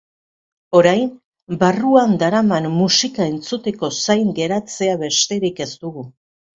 Orain, barruan daraman musika entzuteko zain geratzea besterik ez dugu.